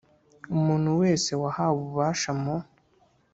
Umuntu wese wahawe ububasha mu